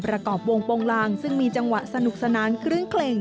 ประกอบวงโปรงลางซึ่งมีจังหวะสนุกสนานคลื้นเคร่ง